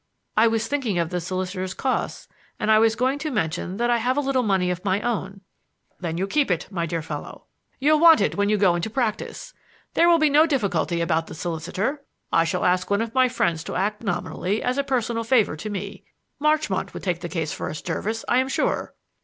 "I was thinking of the solicitor's costs, and I was going to mention that I have a little money of my own " "Then you keep it, my dear fellow. You'll want it when you go into practice. There will be no difficulty about the solicitor; I shall ask one of my friends to act nominally as a personal favor to me Marchmont would take the case for us, Jervis, I am sure."